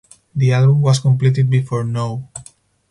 The album was completed before "No".